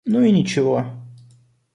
Ну и ничего.